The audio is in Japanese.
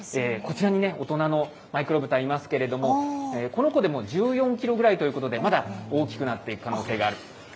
こちらに大人のマイクロブタいますけれども、この子でも１４キロぐらいということで、まだ大きくなっていく可能性がある。